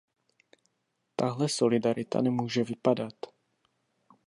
Takhle solidarita nemůže vypadat.